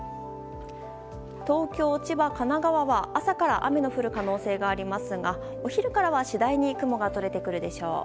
東京、千葉、神奈川は朝から雨の降る可能性がありますがお昼からは次第に雲がとれてくるでしょう。